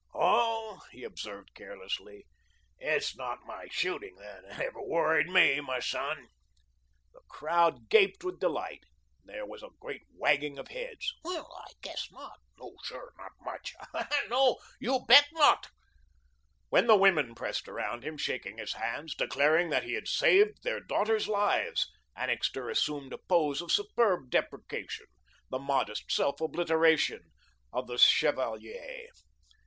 "Oh," he observed carelessly, "it's not my SHOOTING that ever worried ME, m'son." The crowd gaped with delight. There was a great wagging of heads. "Well, I guess not." "No, sir, not much." "Ah, no, you bet not." When the women pressed around him, shaking his hands, declaring that he had saved their daughters' lives, Annixter assumed a pose of superb deprecation, the modest self obliteration of the chevalier.